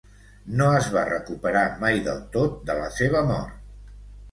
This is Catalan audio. No es va recuperar mai del tot de la seva mort.